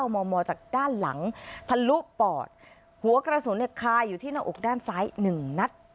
มมจากด้านหลังทะลุปอดหัวกระสุนเนี่ยคาอยู่ที่หน้าอกด้านซ้าย๑นัด